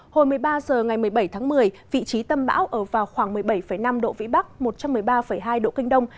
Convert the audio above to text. hồi một mươi ba h ngày một mươi bảy tháng một mươi vị trí tâm bão ở vào khoảng một mươi bảy năm độ vĩ bắc một trăm một mươi ba hai độ kinh đông